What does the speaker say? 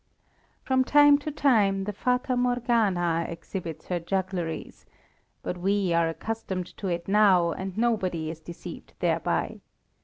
From time to time the Fata Morgana exhibits her juggleries, but we are accustomed to it now, and nobody is deceived thereby.